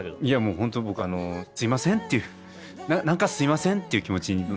いやもうホント僕すいませんっていう何かすいませんっていう気持ち。